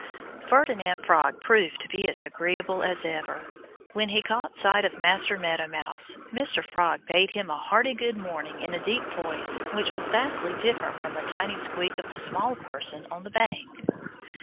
Ferdinand Frog proved to be as agreeable as ever. When he caught sight of Master Meadow Mouse Mr. Frog bade him a hearty good morning in a deep voice which was vastly different from the tiny squeak of the small person on the bank.